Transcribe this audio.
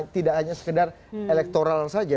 tidak hanya sekedar elektoral saja